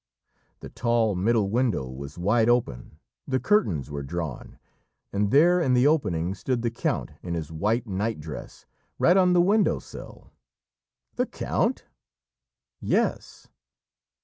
The tall middle window was wide open, the curtains were drawn, and there in the opening stood the count in his white night dress, right on the window sill." "The count?" "Yes."